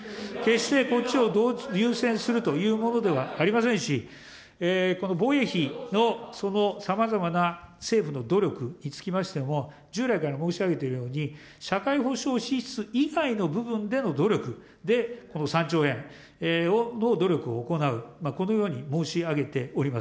決してこっちを優先するというものではありませんし、この防衛費のさまざまな政府の努力につきましても、従来から申し上げているように、社会保障支出以外の部分でも努力で、この３兆円の努力を行う、このように申し上げております。